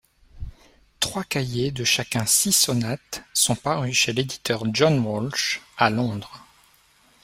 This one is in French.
Trois cahiers de chacun six sonates sont parus chez l'éditeur John Walsh à Londres.